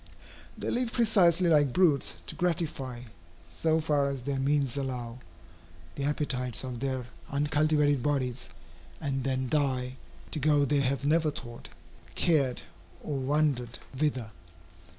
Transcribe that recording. They live precisely like brutes, to gratify, so far as their means allow, the appetites of their uncultivated bodies, and then die, to go they have never thought, cared, or wondered whither.